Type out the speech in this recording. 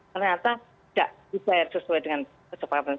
ternyata tidak dibayar sesuai dengan kesepakatan